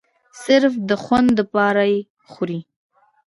صرف د خوند د پاره خوري